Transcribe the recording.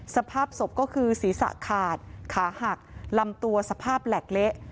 สภาพศพก็คือศีรษะขาดขาหักลำตัวสภาพแหลกเละ